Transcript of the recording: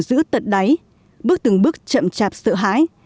giữ tận đáy bước từng bước chậm chạp sợ hãi